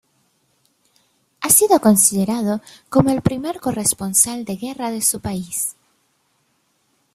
Ha sido considerado como "el primer corresponsal de guerra" de su país.